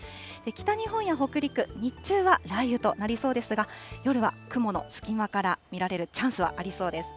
北日本や北陸、日中は雷雨となりそうですが、夜は雲の隙間から見られるチャンスはありそうです。